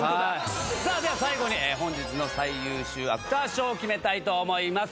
さあでは最後に本日の最優秀アクター賞を決めたいと思います。